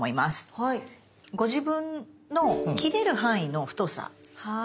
ご自分の切れる範囲の太さ。